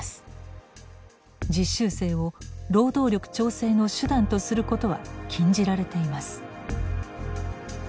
実習生を労働力調整の手段とすることは禁じられています。